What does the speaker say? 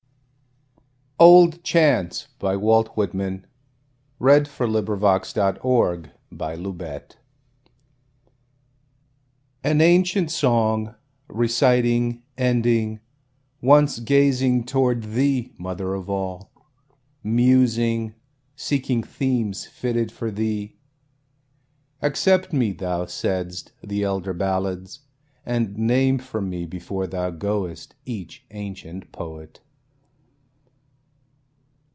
nement? Hast thou no soul? Can I not know, identify thee? Old Chants An ancient song, reciting, ending, Once gazing toward thee, Mother of All, Musing, seeking themes fitted for thee, Accept me, thou saidst, the elder ballads, And name for me before thou goest each ancient poet.